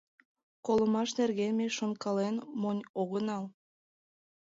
Колымаш нерген ме шонкален монь огынал.